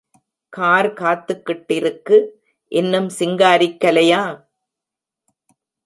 Car காத்துக்கிட்டிருக்கு இன்னும் சிங்காரிக்கலையா?